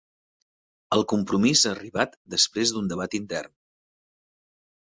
El compromís ha arribat després d'un debat intern